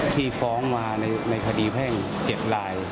ที่ฟ้องมาในคดีแพ่ง๗ลาย